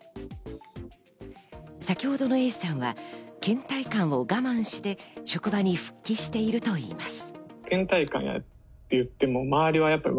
先ほどのＡさんは倦怠感を我慢して職場に復帰しているといいます。